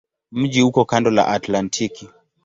Mji uko kando la Atlantiki.